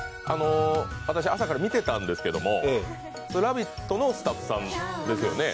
私、朝から見てたんですけども、「ラヴィット！」のスタッフさんですよね。